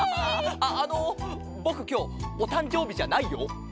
ああのぼくきょうおたんじょうびじゃないよ。